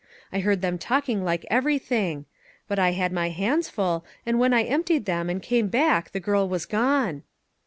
I heard them talking like every thing; but I had my hands full, and when I emptied them and came back the girl was gone."